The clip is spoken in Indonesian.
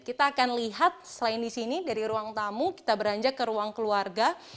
kita akan lihat selain di sini dari ruang tamu kita beranjak ke ruang keluarga